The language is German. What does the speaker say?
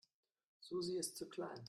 Susi ist zu klein.